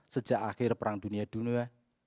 sejak akhir perang dunia dunia